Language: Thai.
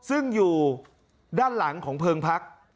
ซึ่งอยู่ด้านหลังของเพลิงพัก